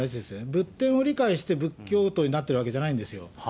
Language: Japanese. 仏典を理解して仏教徒になってるわけじゃないんですよ。